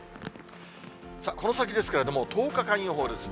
さあ、この先ですけれども、１０日間予報です。